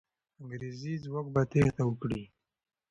انګریزي ځواک به تېښته وکړي.